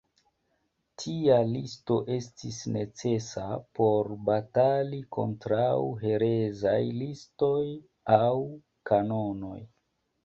Tia listo estis necesa por batali kontraŭ herezaj listoj aŭ kanonoj.